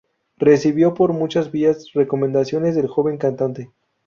Recibió por muchas vías recomendaciones del joven cantante.